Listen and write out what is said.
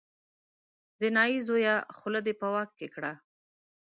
د نايي زویه خوله دې په واک کې کړه.